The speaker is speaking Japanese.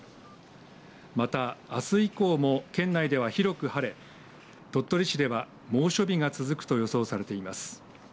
また、あす以降も県内では広く晴れ鳥取市では猛暑日が続くと予想されています。